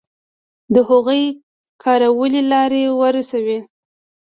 د هغوی کارولې لاره ورسوي.